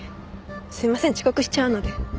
すいません遅刻しちゃうので。